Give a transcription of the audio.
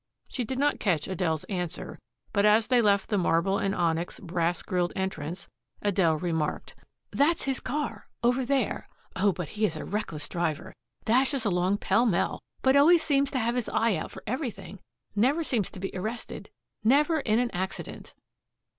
She did not catch Adele's answer, but as they left the marble and onyx, brass grilled entrance, Adele remarked: "That's his car over there. Oh, but he is a reckless driver dashes along pell mell but always seems to have his eye out for everything never seems to be arrested, never in an accident."